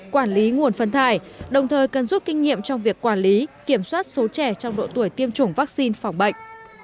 quản lý nguồn phân thải đồng thời cần rút kinh nghiệm trong việc quản lý kiểm soát số trẻ trong độ tuổi tiêm chủng vaccine phòng bệnh